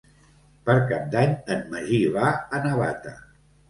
Per Cap d'Any en Magí va a Navata.